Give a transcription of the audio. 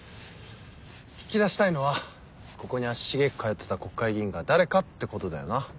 聞き出したいのはここに足しげく通ってた国会議員が誰かってことだよな？